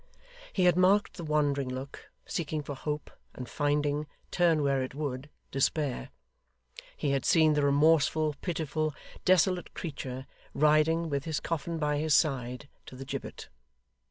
He had marked the wandering look, seeking for hope, and finding, turn where it would, despair. He had seen the remorseful, pitiful, desolate creature, riding, with his coffin by his side, to the gibbet.